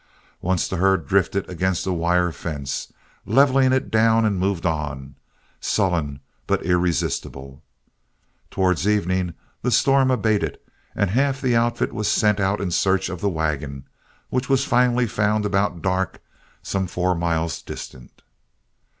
Once the herd drifted against a wire fence, leveled it down and moved on, sullen but irresistible. Towards evening the storm abated, and half the outfit was sent out in search of the wagon, which was finally found about dark some four miles distant.